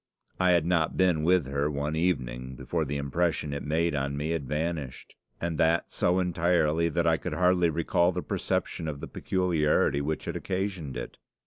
I had not been with her one evening before the impression it made on me had vanished, and that so entirely that I could hardly recall the perception of the peculiarity which had occasioned it.